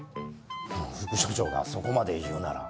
まあ副署長がそこまで言うなら。